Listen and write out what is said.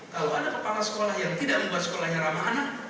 kalau ada kepala sekolah yang tidak membuat sekolahnya ramah anak